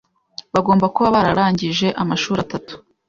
bagomba kuba bararangije amashuri atatu